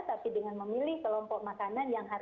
tapi dengan memilih kelompok makanan yang harganya lebih murah